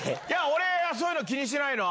俺がそういうの気にしないの。